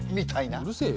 うるせえよ。